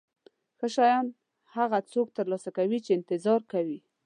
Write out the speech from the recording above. ښه شیان هغه څوک ترلاسه کوي چې انتظار کوي.